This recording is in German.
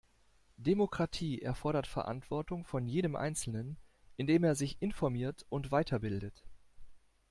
Demokratie erfordert Verantwortung von jedem einzelnen, indem er sich informiert und weiterbildet.